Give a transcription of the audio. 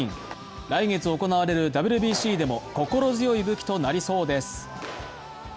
来月行われるＷＢＣでも心強い武器となりそうです。